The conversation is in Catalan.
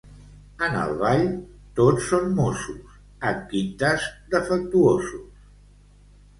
En el ball tots són mossos; en quintes, defectuosos.